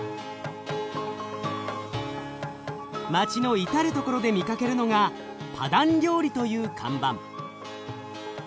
街の至る所で見かけるのが「パダン料理」という看板。